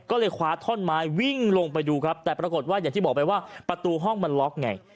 ก็เลยคว้าท่อนไม้วิ่งลงไปดูครับแต่ปรากฏว่าอย่างที่บอกไปว่าประตูห้องมันล็อกไง